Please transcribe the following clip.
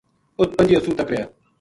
اُت پنجی اُسو تک رہیا